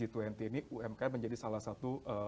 ini umkm menjadi salah satu